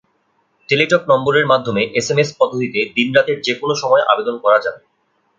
Teletalk নম্বরের মাধ্যমে SMS পদ্ধতিতে দিন-রাতের যেকোনো সময় আবেদন করা যাবে।